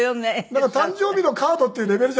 だから誕生日のカードっていうレベルじゃなくて。